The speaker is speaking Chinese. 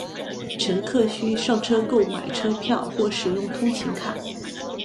乘客需上车购买车票或使用通勤卡。